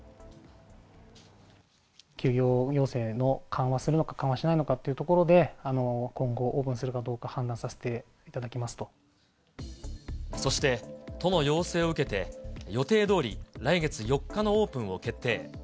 休業要請を緩和するのか緩和しないのかというところで、今後、オープンするかどうか判断そして、都の要請を受けて予定どおり、来月４日のオープンを決定。